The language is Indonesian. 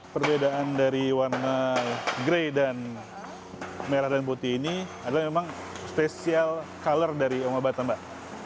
perbedaan dari warna grey dan merah dan putih ini adalah memang spesial color dari om abad mbak